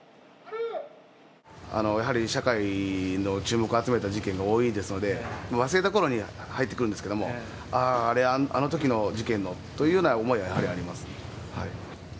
やはり社会の注目を集めた事件が多いですので忘れたころに入ってくるんですけども、ああ、あのときの事件のというような思いはやはりあります。